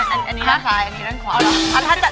อันนี้ด้านซ้ายอันนี้ด้านขวาเหรอ